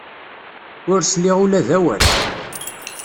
Ur sliɣ ula d awal.